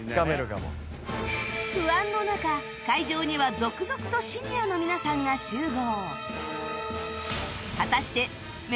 不安の中会場には続々とシニアの皆さんが集合